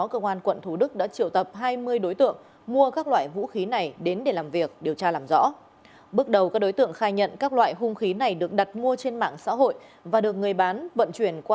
công an huyện đồng phú tỉnh bình phước vẫn đang khám nghiệm hiện trường lập biên bản xử lý vụ va chạy